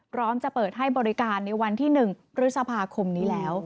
พร้อมจะเปิดให้บริการในวันที่๑พฤษภาคมนี้แล้ว